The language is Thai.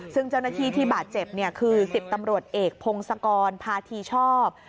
ซึ่งเจ้าหน้าที่ที่บาดเจ็บคือ๑๐ตำรวจเอกพงศกรพาธีชอบ